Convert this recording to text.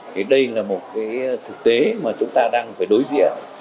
thì đây là một cái thực tế mà chúng ta đang phải đối diện